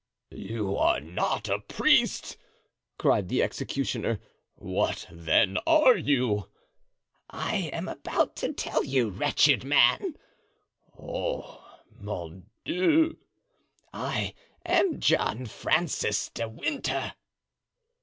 "You are not a priest!" cried the executioner. "What, then, are you?" "I am about to tell you, wretched man." "Oh, mon Dieu!" "I am John Francis de Winter."